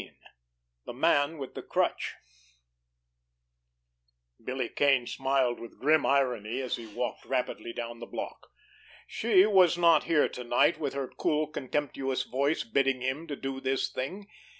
XVII—THE MAN WITH THE CRUTCH Billy Kane smiled with grim irony, as he walked rapidly down the block. She was not here to night with her cool, contemptuous voice bidding him to do this thing.